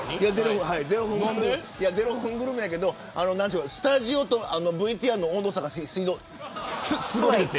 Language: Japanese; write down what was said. ０分グルメやけどスタジオとＶＴＲの温度差がすごいんですよ。